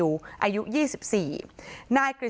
สวัสดีครับ